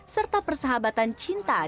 serta persahabatan cinta dan cinta